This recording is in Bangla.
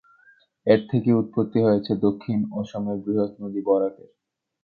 এর থেকেই উৎপত্তি হয়েছে দক্ষিণ অসমের বৃহৎ নদী বরাক-এর।